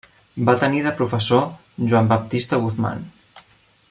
Va tenir de professor Joan Baptista Guzmán.